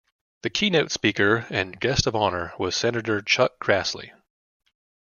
The keynote speaker and guest of honor was Senator Chuck Grassley.